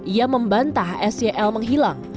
ia membantah sel menghilangkan